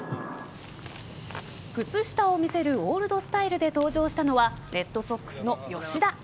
靴下を見せるオールドスタイルで登場したのはレッドソックスの吉田。